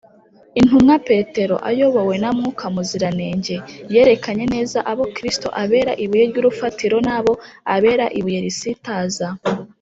intumwa petero, ayobowe na mwuka muziranenge, yerekanye neza abo kristo abera ibuye ry’urufatiro n’abo abera ibuye risitaza: